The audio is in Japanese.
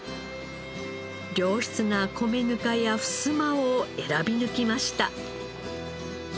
良質な米ぬかやふすまを選び抜きました。